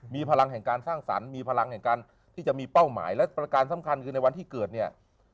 มีพลังแห่งการสร้างสรรค์มีพลังแห่งการที่จะมีเป้าหมายและประการสำคัญคือในวันที่เกิดเนี่ย